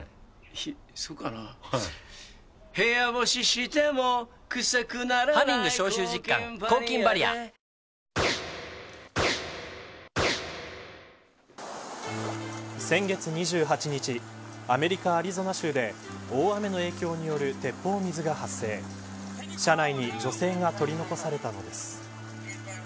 水位の上がった川に駆け付けると先月２８日アメリカアリゾナ州で大雨の影響による鉄砲水が発生し、車内に女性が取り残されたのです。